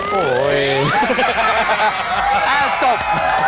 แต่จบ